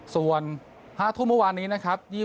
ส่วน๕ทุ่มเมื่อวานนี้นะครับ